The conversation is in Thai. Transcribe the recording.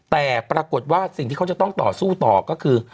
แต่ปรากฏว่าสิ่งที่เขาจะต้องต่อสู้ต่อก็คือ